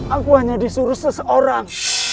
aku hanya disuruh seseorang